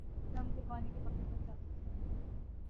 جب ہم قربانی کے بکرے بن جاتے ہیں۔